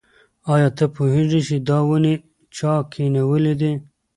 ایا ته پوهېږې چې دا ونې چا کینولي دي؟